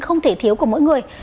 không thể thiếu của mỗi người